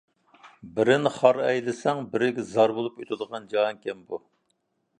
بىرىنى خار ئەيلىسەڭ، بىرىگە زار بولۇپ ئۆتىدىغان جاھان ئىكەن بۇ.